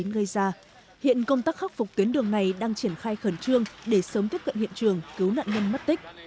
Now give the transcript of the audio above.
ngoài ra hiện công tác khắc phục tuyến đường này đang triển khai khẩn trương để sớm tiếp cận hiện trường cứu nạn nhân mất tích